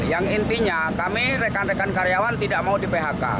yang intinya kami rekan rekan karyawan tidak mau di phk